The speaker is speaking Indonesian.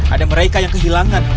ada mereka yang kehilangan